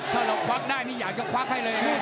ถ้าเราควักให้ได้อย่าก็ควักให้เลยเอง